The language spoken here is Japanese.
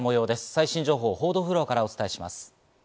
最新情報を報道フロアからお伝えします。